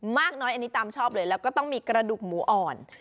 มากน้อยอันนี้ตามชอบเลยแล้วก็ต้องมีกระดูกหมูอ่อน